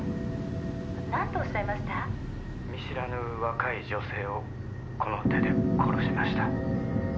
「見知らぬ若い女性をこの手で殺しました」